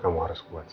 kamu harus kuat sah